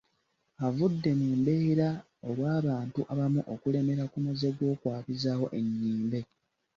Avudde mu mbeera olw'abantu abamu okulemera ku muze gw'okwabizaawo ennyimbe